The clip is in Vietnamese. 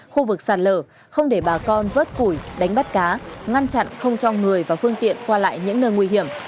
khu vực sạt lở không để bà con vớt củi đánh bắt cá ngăn chặn không cho người và phương tiện qua lại những nơi nguy hiểm